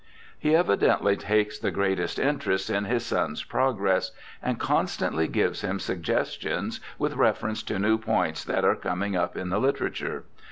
He evidently takes the greatest interest in his son's progress, and constantly gives him suggestions with reference to new points that are coming up in the literature.